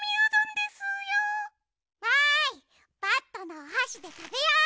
バットのおはしでたべよう。